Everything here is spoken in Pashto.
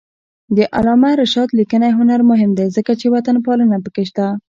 د علامه رشاد لیکنی هنر مهم دی ځکه چې وطنپالنه پکې شته.